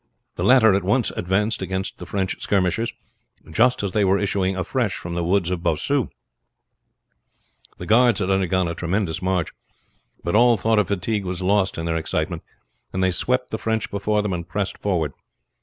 The latter at once advanced against the French skirmishers, just as they were issuing afresh from the wood of Bossu. The guards had undergone a tremendous march; but all thought of fatigue was lost in their excitement, and they swept the French before them and pressed forward.